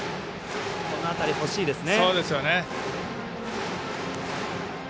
この辺りほしいですね。